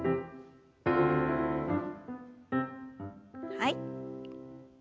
はい。